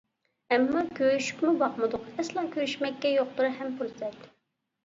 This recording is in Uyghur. ئەمما كۆرۈشۈپمۇ باقمىدۇق ئەسلا، كۆرۈشمەككە يوقتۇر ھەم پۇرسەت.